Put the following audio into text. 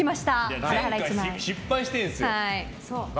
前回、失敗してるんですよ。